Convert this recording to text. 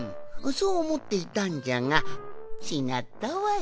そうおもっていたんじゃがちがったわい。